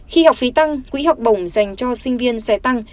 khi học phí tăng quỹ học bổng dành cho sinh viên sẽ tăng